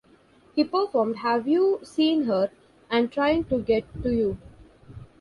He performed "Have You Seen Her" and "Trying to Get to You".